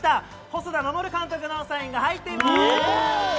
細田守監督のサインが入っています。